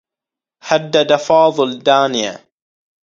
هدّد فاضل دانية.